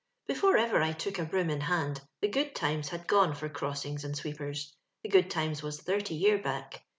Before ever I took a broom in hand, the good times hod gone for crossings and sweep ers. The good times was thirty year back.